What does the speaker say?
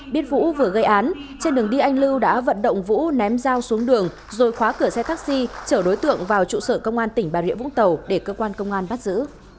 biết vũ vừa gây án trên đường đi anh lưu đã vận động vũ ném dao xuống đường rồi khóa cửa xe taxi trở đối tượng vào trụ sở công an tỉnh bà rịa vũng tàu để cơ quan công an bắt giữ